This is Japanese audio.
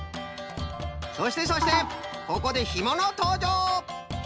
そしてそしてここでひものとうじょう。